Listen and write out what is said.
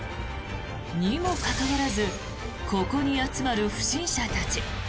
にもかかわらずここに集まる不審者たち。